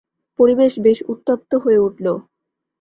পরিবেশ বেশ উত্তপ্ত হয়ে উঠল।